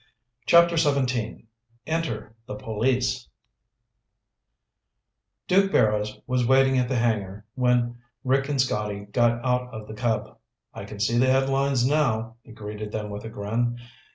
CHAPTER XVII Enter the Police Duke Barrows was waiting at the hangar when Rick and Scotty got out of the Cub. "I can see the headlines now," he greeted them with a grin.